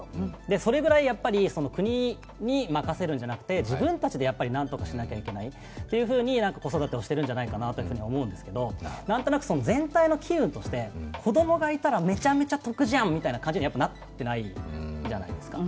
それぐらい国に任せるんじゃなくて、自分たちで何とかしなきゃいけないというふうに子育てをしているんじゃないかと思うんですけど、なんとなく全体の機運として子供がいたらめちゃくちゃ特じゃんみたいな感じになってないじゃないですか。